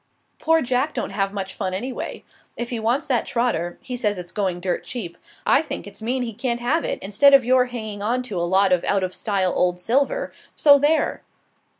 Poor Jack don't have much fun, anyway. If he wants that trotter he says it's going dirt cheap I think it's mean he can't have it, instead of your hanging on to a lot of out of style old silver; so there."